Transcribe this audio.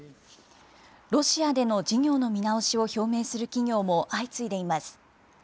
ロシアでの事業の見直しを表明する企業も相次いでいます。